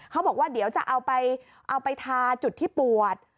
เขาบอกว่าเดี๋ยวจะเอาไปทาจุดที่ปวด